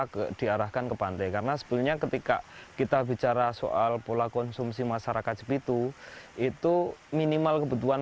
karena sebelumnya ketika kita bicara soal pola konsumsi masyarakat itu itu minimal kebutuhan